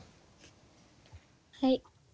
はい。